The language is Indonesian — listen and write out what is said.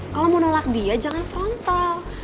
kalau mau nolak dia jangan frontal